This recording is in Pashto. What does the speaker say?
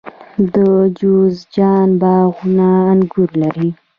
د جوزجان باغونه انګور لري.